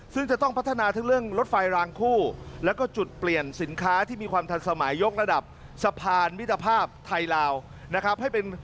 ซึ่งจะต้องพัฒนาทั้งเรื่องรถไฟรางคู่แล้วก็จุดเปลี่ยนสินค้าที่มีความทันสมัยยกระดับสะพานมิตรภาพไทยลาวนะครับให้เป็น